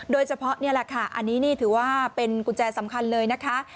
นี่แหละค่ะอันนี้นี่ถือว่าเป็นกุญแจสำคัญเลยนะคะ